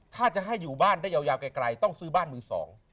ถ้าจะให้อยู่บ้านได้ยาวไกลต้องซื้อบ้านมือสอง